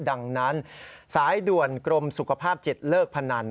ดังนั้นสายด่วนกรมสุขภาพจิตเลิกพนัน